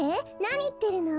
なにいってるの？